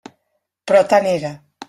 Però tant era.